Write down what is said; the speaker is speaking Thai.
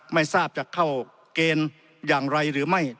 ไม่ทราบจะเข้าเกณฑ์อย่างไรหรือไม่